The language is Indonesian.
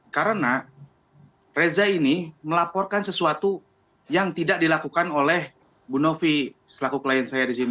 karena guru reza ini melaporkan sesuatu yang tidak dilakukan oleh ibu novi selaku klien saya di sini